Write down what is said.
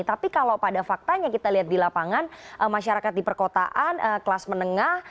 tapi kalau pada faktanya kita lihat di lapangan masyarakat di perkotaan kelas menengah